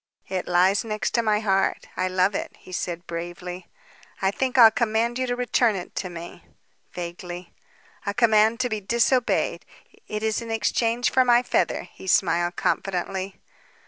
"It lies next my heart. I love it," he said bravely. "I think I'll command you to return it to me," vaguely. "A command to be disobeyed. It is in exchange for my feather," he smiled confidently.